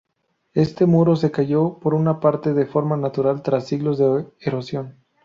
Este muro se cayó por una parte de forma natural tras siglos de erosión.